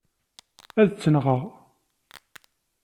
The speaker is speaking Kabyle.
Ad tt-nɣeɣ.